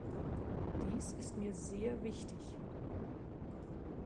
Dies ist mit sehr wichtig.